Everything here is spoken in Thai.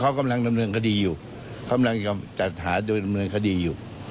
เขาไม่เชื่อภาคอุตุริสิทธิ์เรี่ย